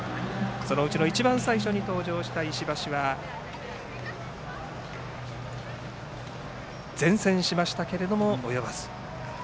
そのうちの一番最初に登場した石橋は善戦しましたけれども及ばず。